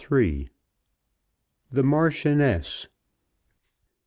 THE MARCHIONESS.